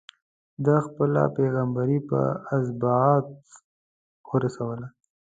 ده خپله پيغمبري په ازبات ورسوله.